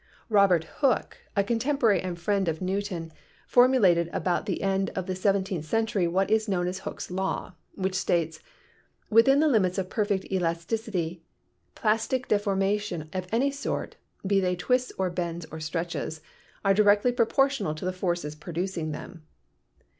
Robert Hooke, a contemporary and friend of Newton, formulated about the end of the seventeenth century what is known as Hooke's Law, which states : "Within the limits of perfect elasticity elastic deforma tions of any sort, be they twists or bends or stretches, are directly proportional to the forces producing them."